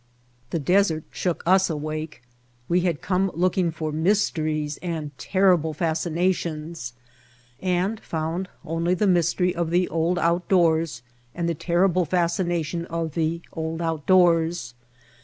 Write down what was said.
The desert shook us awake. We had come looking for mysteries and ''terrible fascinations" and found only the mystery of the old outdoors White Heart of Mojave and the terrible fascination of the old outdoors.